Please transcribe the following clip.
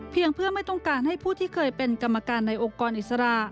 เพื่อไม่ต้องการให้ผู้ที่เคยเป็นกรรมการในองค์กรอิสระ